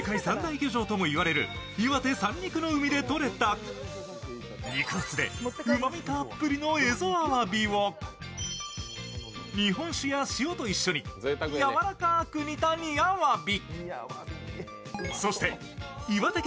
その中には、世界三大魚場とも称される、岩手・三陸の海でとれた肉厚でうまみたっぷりのエゾアワビを日本酒や塩と一緒にやわらかく煮た煮あわび。